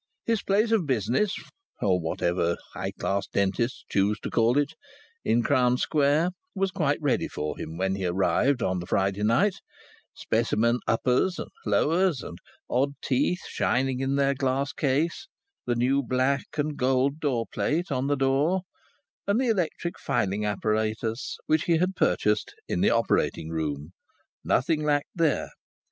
His place of business or whatever high class dentists choose to call it in Crown Square was quite ready for him when he arrived on the Friday night: specimen "uppers" and "lowers" and odd teeth shining in their glass case, the new black and gold door plate on the door, and the electric filing apparatus which he had purchased, in the operating room. Nothing lacked there.